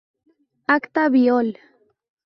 Acta Biol.